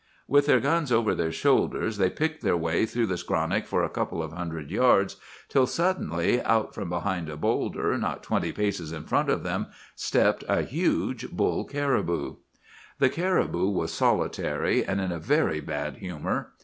"With their guns over their shoulders, they picked their way through the skronnick for a couple of hundred yards, till suddenly, out from behind a bowlder, not twenty paces in front of them, stepped a huge bull caribou. "The caribou was solitary, and in a very bad humor.